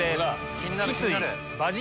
気になる気になる！